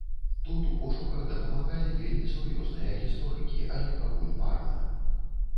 Тут у пошуках дапамагалі вельмі сур'ёзныя гісторыкі, але пакуль марна.